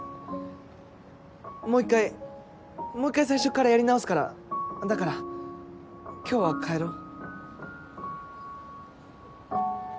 もう１回もう１回最初からやり直すからだから今日は帰ろう。